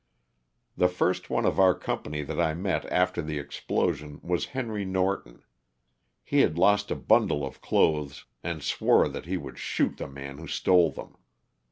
The first one of our company that I met after the explosion was Henry Norton. H3 had lost a bundle of clothes and swore that he would shoot the man who stole them.